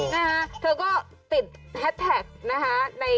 นะฮะเธอก็ติดแฮสแท็กนะคะ